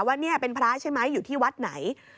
ว่านี่เป็นพระใช่ไหมอยู่ที่วัดไหน